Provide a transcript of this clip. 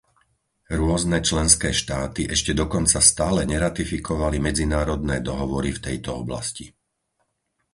Rôzne členské štáty ešte dokonca stále neratifikovali medzinárodné dohovory v tejto oblasti.